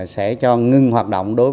sẽ cho ngưng hoặc